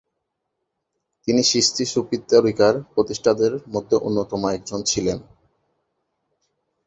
তিনি চিশতি সুফি তরিকার প্রতিষ্ঠাতাদের মধ্যে অন্যতম একজন ছিলেন।